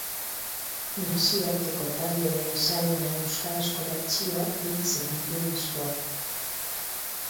Nazioarteko talde ezagunen euskarazko bertsioak biltzen ditu diskoak.